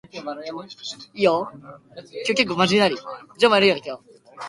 千葉市は千葉県の中央部に位置し、中心市街地は東京都の都心と成田国際空港の中間地点である。